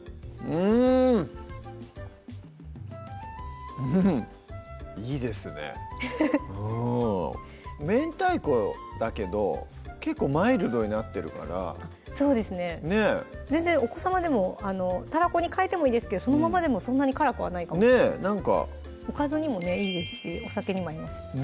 うん明太子だけど結構マイルドになってるからそうですね全然お子さまでもたらこに変えてもいいですけどそのままでもそんなに辛くはないかもおかずにもねいいですしお酒にも合います